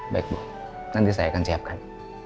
baik bu nanti saya akan siapkan